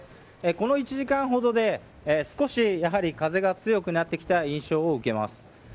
この１時間ほどで少し風が強くなってきた印象を受けます。